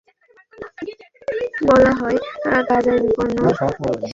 বলা হয়, গাজায় বিপন্ন মানবতাকে রক্ষার প্রয়োজনে বিশ্ব সম্প্রদায়কে কঠোর হতে হবে।